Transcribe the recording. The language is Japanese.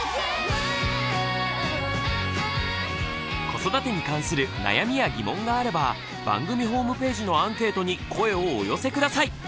子育てに関する悩みや疑問があれば番組ホームページのアンケートに声をお寄せ下さい。